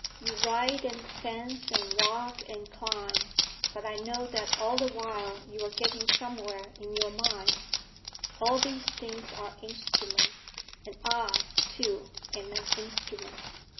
"You ride and fence and walk and climb, but I know that all the while you're getting somewhere in your mind. All these things are instruments; and I, too, am an instrument."